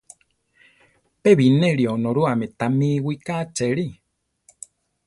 Pe bineri Onorúame tamí iwigá achere.